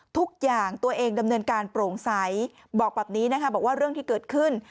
ทุกอย่างตัวเองดำเนินการโปร่งใสบอกแบบนี้นะคะบอกว่าเรื่องที่เกิดขึ้น